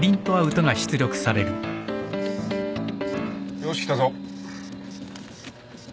よーし来たぞ。